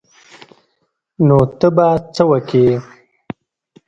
نو ته به څه وکې.